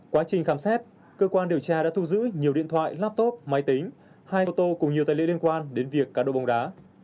quá trình khám xét cơ quan điều tra đã thu giữ nhiều điện thoại laptop máy tính hai ô tô cùng nhiều tài liệu liên quan đến việc cá độ bóng đá